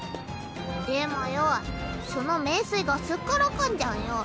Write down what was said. でもよその名水がすっからかんじゃんよ。